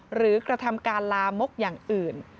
กระทำการลามกอย่างอื่น